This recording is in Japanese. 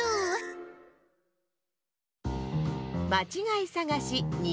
まちがいさがし２